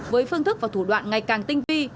với phương thức và thủ đoạn ngày càng tinh vi